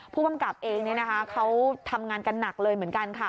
ผู้กำกับเองเขาทำงานกันหนักเลยเหมือนกันค่ะ